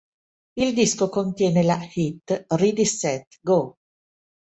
Il disco contiene la hit "Ready, Set, Go!